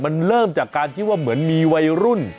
มันเริ่มจากการที่ว่าเหมือนมีวัยรุ่น